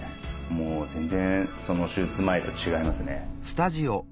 もう全然手術前と違いますね。